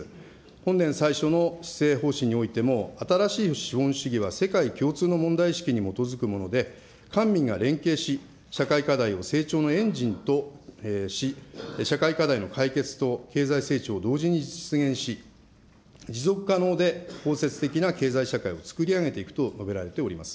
本年最初の施政方針においても、新しい資本主義は世界共通の問題意識に基づくもので、官民が連携して社会課題を成長のエンジンとし、社会課題の解決と経済成長を同時に実現し、持続可能で包摂的な経済社会を作り上げていくと述べられています。